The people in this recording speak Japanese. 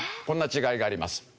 こんな違いがあります